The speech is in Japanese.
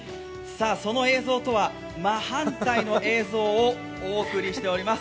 その映像とは真反対の映像をお送りしております。